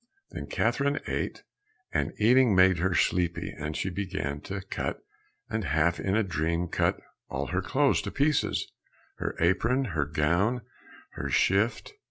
Then Catherine ate and eating made her sleepy, and she began to cut, and half in a dream cut all her clothes to pieces, her apron, her gown, and her shift.